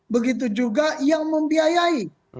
begitu juga yang membiayai